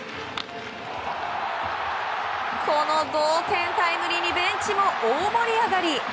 この同点タイムリーにベンチも大盛り上がり。